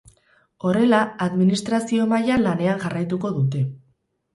Horrela, administrazio mailan lanean jarraituko dute.